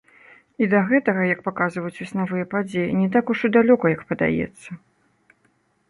І да гэтага, як паказваюць веснавыя падзеі, не так ужо і далёка, як падаецца.